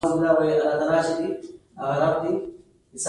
هغه له خپلې نوې څېرې سره اشنا شو.